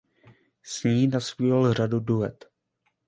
S ní nazpíval řadu duet.